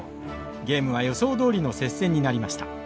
ゲームは予想どおりの接戦になりました。